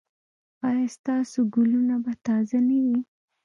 ایا ستاسو ګلونه به تازه نه وي؟